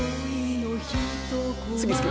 「次好き！